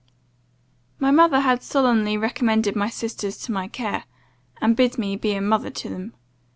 "My mother had solemnly recommended my sisters to my care, and bid me be a mother to them.